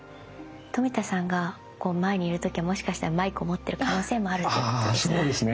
富田さんが前にいる時はもしかしたらマイクを持ってる可能性もあるっていうことですか？